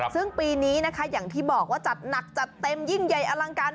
ซึ่งปีนี้นะคะอย่างที่บอกว่าจัดหนักจัดเต็มยิ่งใหญ่อลังการ